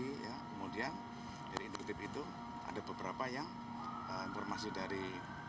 kemudian dari induktif itu ada beberapa yang informasi dari